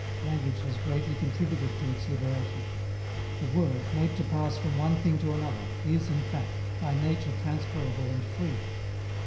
Language has greatly contributed to its liberation. The word, made to pass from one thing to another, is, in fact, by nature transferable and free.